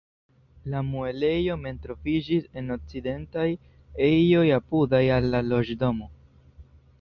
La muelejo mem troviĝis en okcidentaj ejoj apudaj al la loĝdomo.